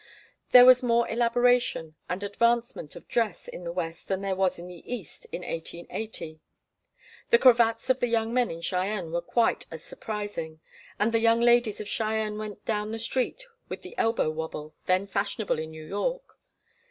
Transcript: There was more elaboration and advancement of dress in the West than there was in the East in 1880. The cravats of the young men in Cheyenne were quite as surprising, and the young ladies of Cheyenne went down the street with the elbow wabble, then fashionable in New York.